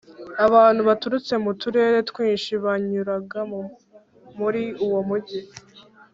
abantu baturutse mu turere twinshi banyuraga muri uwo mujyi,